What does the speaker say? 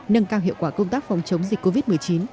nâng cao hiệu quả công tác phòng chống dịch covid một mươi chín